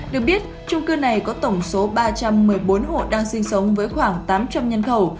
được biết trung cư này có tổng số ba trăm một mươi bốn hộ đang sinh sống với khoảng tám trăm linh nhân khẩu